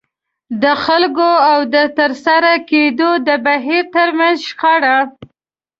د خلکو او د ترسره کېدو د بهير ترمنځ شخړه.